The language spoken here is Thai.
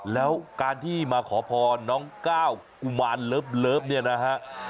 แล้วการที่มาขอพรน้องก้าวกุมารเลิฟเนี่ยนะฮะ